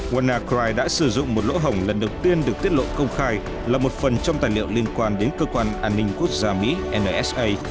wanakri đã sử dụng một lỗ hồng lần đầu tiên được tiết lộ công khai là một phần trong tài liệu liên quan đến cơ quan an ninh quốc gia mỹ nsa